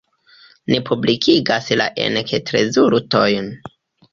Ni publikigas la enketrezultojn.